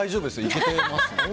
行けてます。